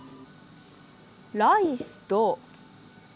ライスと。